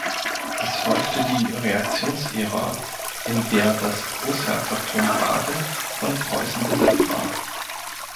Es folgte die Reaktionsära, in der das Großherzogtum Baden von Preußen besetzt war.